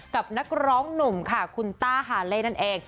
กับนักร้องหนุ่มค่ะคุณต้าฮาเล่นั่นเอง